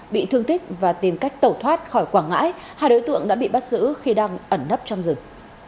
bị thương tích và tìm cách tẩu thoát khỏi quảng ngãi hai đối tượng đã bị bắt giữ khi đang ẩn nấp trong rừng